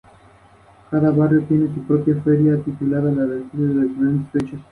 En la misma edición falleció su compañero de equipo y compatriota Chet Miller.